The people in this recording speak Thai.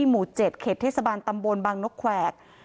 หมู่๗เขตเทศบาลตำบลบางนกแขวก